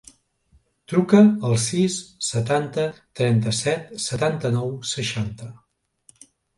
Truca al sis, setanta, trenta-set, setanta-nou, seixanta.